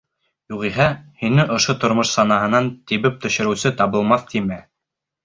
Юғиһә, һине ошо тормош санаһынан тибеп төшөрөүсе табылмаҫ тимә.